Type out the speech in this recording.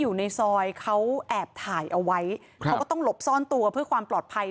อยู่ในซอยเขาแอบถ่ายเอาไว้เขาก็ต้องหลบซ่อนตัวเพื่อความปลอดภัย